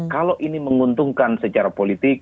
kalau ini menguntungkan secara politik